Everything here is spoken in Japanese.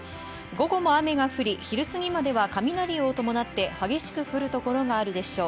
午後も雨が降り、昼過ぎまでは雷を伴って激しく降る所があるでしょう。